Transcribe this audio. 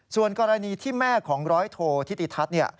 ส่วนกรณีที่แม่ของร้อยโทธิติทัศน์